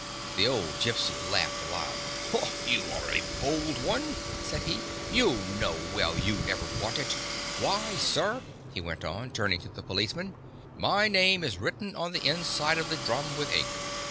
The old Gypsy laughed aloud. " You are a bold one !" said he. " You know well you never bought it. Why, sir," he went on, turning to the policeman, " my name is written on the inside of the drum with ink.